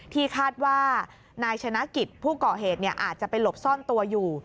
ที่คาดว่านายชนะกิจผู้ก่อเหตุอาจจะไปหลบซ่อนตัวอยู่